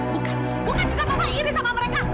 bukan bukan juga papa iri sama mereka